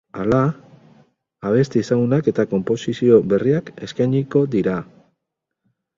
Hala, abesti ezagunak eta konposizio berriak eskainiko dira.